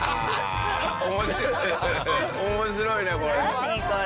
面白いねこれ。